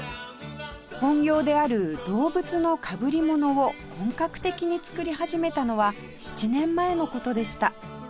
本業である動物のかぶりものを本格的に作り始めたのは７年前の事でした